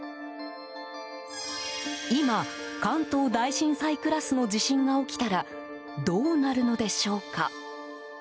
今、関東大震災クラスの地震が起きたらどうなるのでしょうか？